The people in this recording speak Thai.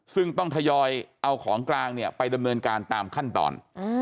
ซึ่งต้องทยอยเอาของกลางเนี่ยไปดำเนินการตามขั้นตอน